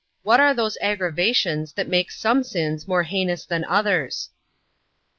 What are those aggravations that make some sins more heinous than others? A.